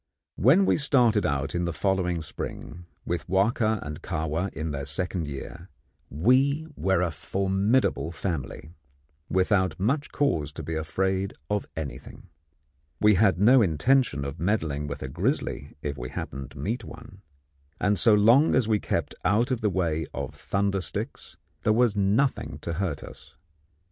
When we started out in the following spring, with Wahka and Kahwa in their second year, we were a formidable family, without much cause to be afraid of anything. We had no intention of meddling with a grizzly if we happened to meet one, and so long as we kept out of the way of thunder sticks there was nothing to hurt us.